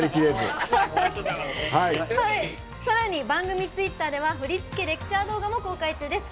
さらに番組ツイッターでは振り付けレクチャー動画も公開中です。